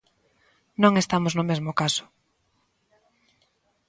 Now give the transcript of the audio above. Non estamos no mesmo caso.